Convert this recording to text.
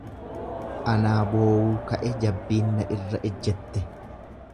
Anaa boowuu ka'e jabbiin na irra ejjette.